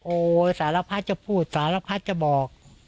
โอ้สารพัดจะพูดสารพัดจะบอก